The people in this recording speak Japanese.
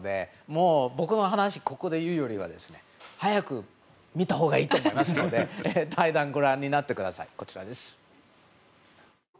もう僕の話をここで言うよりは早く見たほうがいいと思いますので対談、ご覧になってください。